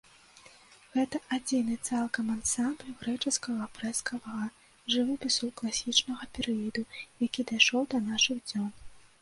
Гэта адзіны цалкам ансамбль грэчаскага фрэскавага жывапісу класічнага перыяду, які дайшоў да нашых дзён.